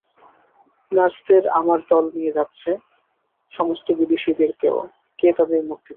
নার্সদের আমার দল নিয়ে যাচ্ছে, সমস্ত বিদেশিদেরকেও, কে তাদের মুক্তি দেবে?